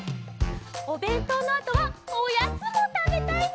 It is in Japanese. おべんとうのあとはおやつもたべたいな。